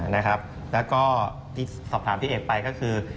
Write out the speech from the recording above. และก็สอบถามที่เอกไปก็คือ